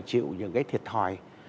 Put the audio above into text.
chịu những cái thiệt thòi